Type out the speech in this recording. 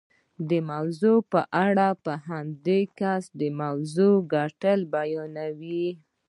د موضوع په اړه په همدې کس د موضوع ګټې بیانوئ.